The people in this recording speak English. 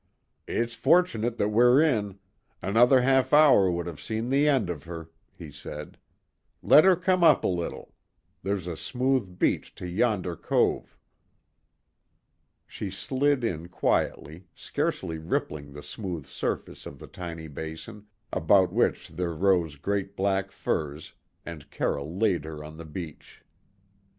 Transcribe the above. "It's fortunate that we're in. Another half hour would have seen the end of her," he said. "Let her come up a little. There's a smooth beach to yonder cove." She slid in quietly, scarcely rippling the smooth surface of the tiny basin, about which there rose great black firs, and Carroll laid her on the beach.